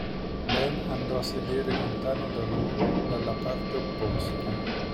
Ben andò a sedere lontano da loro dalla parte opposta.